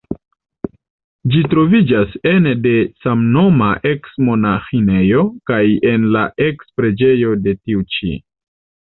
Ĝi troviĝas ene de samnoma eks-monaĥinejo kaj en la eks-preĝejo de tiu ĉi.